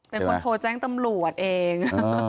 เป็นคนโทรแจ้งตำรวจเอง